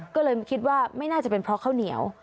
ก็เลยคิดว่าไม่น่าจะเป็นเพราะข้าวเหนียว